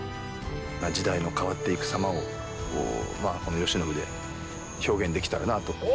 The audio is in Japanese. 時代の変わっていく様をこの慶喜で表現できたらなぁと。